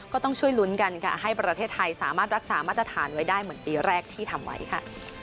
ก็ต้องช่วยลุ้นกันค่ะให้ประเทศไทยสามารถรักษามาตรฐานไว้ได้เหมือนปีแรกที่ทำไว้ค่ะ